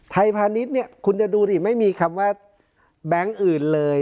พาณิชย์เนี่ยคุณจะดูดิไม่มีคำว่าแบงค์อื่นเลย